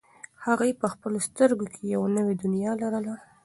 هغې په خپلو سترګو کې یوه نوې دنیا لرله.